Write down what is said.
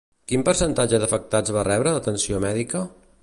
Quin percentatge d'afectats va rebre atenció mèdica?